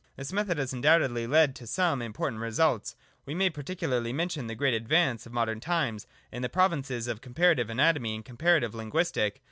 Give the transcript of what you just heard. This method has undoubtedly led to some important results ;— we may par ticularly mention the great advance of modern times in the provinces of comparative anatomy and comparative lin guistic.